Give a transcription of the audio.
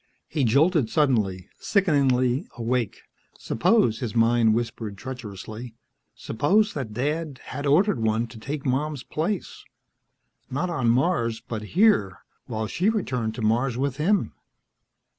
He jolted suddenly, sickeningly awake. Suppose, his mind whispered treacherously, suppose that Dad had ordered one to take Mom's place ... not on Mars, but here while she returned to Mars with him.